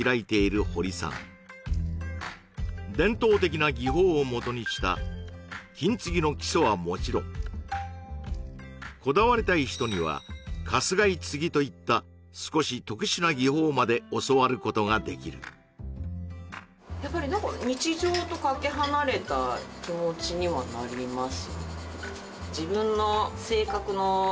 伝統的な技法をもとにした金継ぎの基礎はもちろんこだわりたい人にはかすがい継ぎといった少し特殊な技法まで教わることができる来てる人達もだと思ってるんで思ってます